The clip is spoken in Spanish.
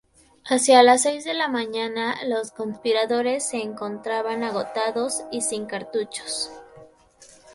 Hacia las seis de la mañana los conspiradores se encontraban agotados y sin cartuchos.